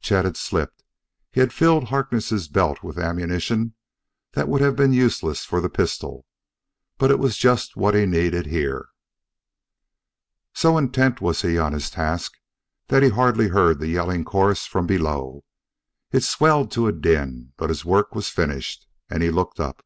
Chet had slipped; he had filled Harkness' belt with ammunition that would have been useless for the pistol but it was just what he needed here. So intent was he on his task that he hardly heard the yelling chorus from below. It swelled to a din; but his work was finished, and he looked up.